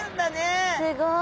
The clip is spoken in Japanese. すごい！